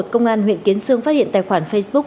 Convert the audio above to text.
công an huyện kiến sương phát hiện tài khoản facebook